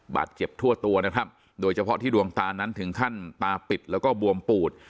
บาดเจ็บทั่วตัวนะครับโดยเฉพาะที่ดวงตานั้นถึงขั้นตาปิดแล้วก็บวมปูด